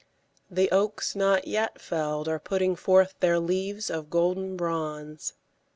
The oaks not yet felled are putting forth their leaves of golden bronze.